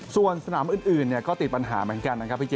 ส่วนสนามอื่นก็ติดปัญหาเหมือนกันนะครับพี่จิ